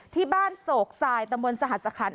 ที่บ้านโศกสายตำบลสหสคัญ